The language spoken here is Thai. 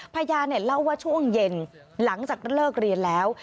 พยานเล่าว่าช่วงเย็นหลังจากเลิกเรียนแล้ว